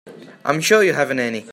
I'm sure you haven't any.